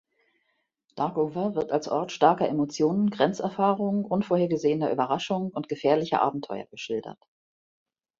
Darkover wird als Ort starker Emotionen, Grenzerfahrungen, unvorhergesehener Überraschungen und gefährlicher Abenteuer geschildert.